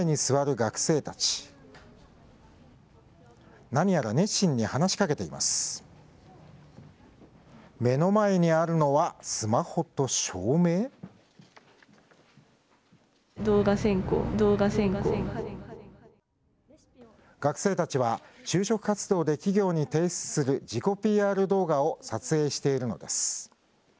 学生たちは、就職活動で企業に提出する自己ＰＲ動画を撮影しているのです。